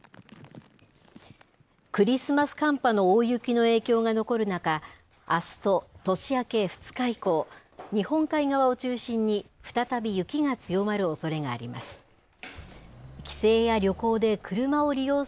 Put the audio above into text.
クリスマス寒波の大雪の影響が残る中、あすと年明け２日以降、日本海側を中心に再び雪が強まるおそれがあります。